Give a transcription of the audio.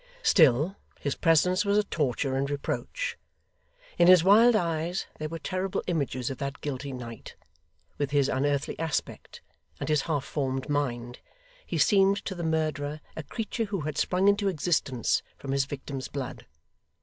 Still, his presence was a torture and reproach; in his wild eyes, there were terrible images of that guilty night; with his unearthly aspect, and his half formed mind, he seemed to the murderer a creature who had sprung into existence from his victim's blood.